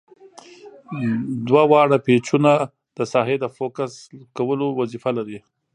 دوه واړه پیچونه د ساحې د فوکس کولو وظیفه لري.